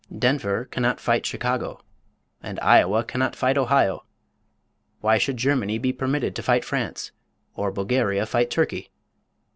Denver cannot fight Chicago and Iowa cannot fight Ohio. Why should Germany be permitted to fight France, or Bulgaria fight Turkey?